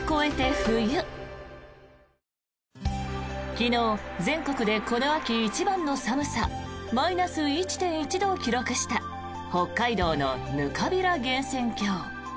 昨日、全国でこの秋一番の寒さマイナス１．１度を記録した北海道のぬかびら源泉郷。